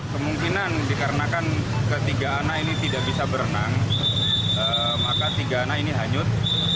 kemungkinan dikarenakan ketiga anak ini tidak bisa berenang maka tiga anak ini hanyut